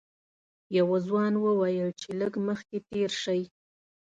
یوه ځوان وویل چې لږ مخکې تېر شئ.